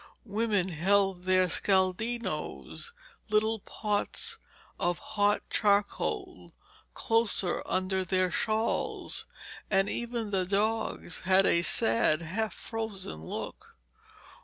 Women held their scaldinoes, little pots of hot charcoal, closer under their shawls, and even the dogs had a sad, half frozen look.